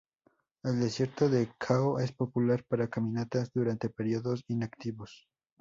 El desierto de Kaʻū es popular para caminatas durante períodos inactivos.